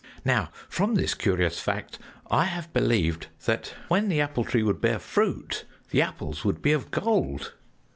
"Now from this curious fact I have believed that when the Apple Tree would bear fruit, the apples would be of gold.